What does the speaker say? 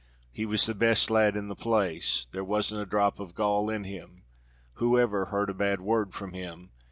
He was the best lad in the place; there wasn't a drop of gall in him; who ever heard a bad word from him?